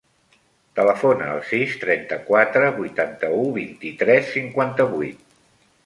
Telefona al sis, trenta-quatre, vuitanta-u, vint-i-tres, cinquanta-vuit.